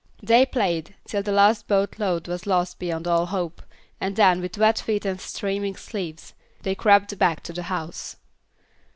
They played till the last boat load was lost beyond all hope, and then, with wet feet and streaming sleeves, they crept back to the house.